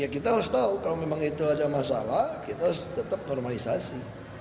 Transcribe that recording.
kita harus tahu kalau memang itu ada masalah kita harus tetap normalisasi